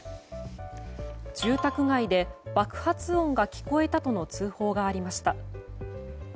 住宅街で爆発音が聞こえたとの通報がありました。